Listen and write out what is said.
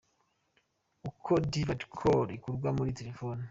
Uko Divert call ikurwa muri telefoni.